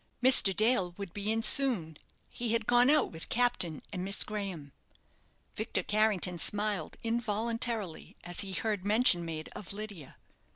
Mr. Dale would be in soon; he had gone out with Captain and Miss Graham. Victor Carrington smiled involuntarily as he heard mention made of Lydia.